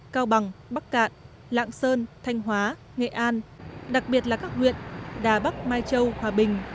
cao bằng bắc cạn lạng sơn thanh hóa nghệ an đặc biệt là các huyện đà bắc mai châu hòa bình